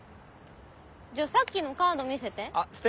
じゃあさっきのカード見せて。